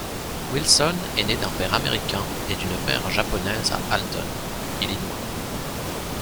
Wilson est né d'un père américain et d'une mère japonaise à Alton, Illinois.